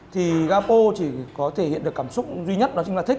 thì gapo chỉ có thể hiện được cảm xúc duy nhất đó chính là thích